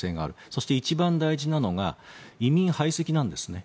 そして一番大事なのが移民排斥なんですね。